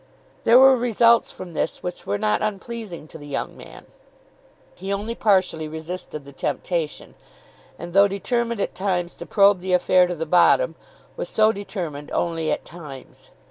There were results from this which were not unpleasing to the young man. He only partially resisted the temptation; and though determined at times to probe the affair to the bottom, was so determined only at times.